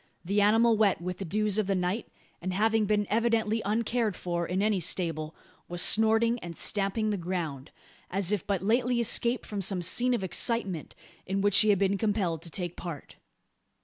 The animal wet with the dews of the night, and having been evidently uncared for in any stable, was snorting and stamping the ground, as if but lately escaped from some scene of excitement, in which he had been compelled to take part.